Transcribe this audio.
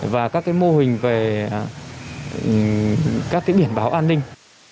và các mô hình về các biển báo an ninh